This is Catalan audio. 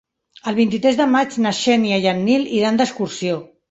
El vint-i-tres de maig na Xènia i en Nil iran d'excursió.